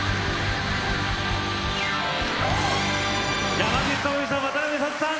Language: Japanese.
山口智充さん渡辺美里さん